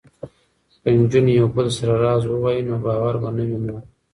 که نجونې یو بل سره راز ووايي نو باور به نه وي مات.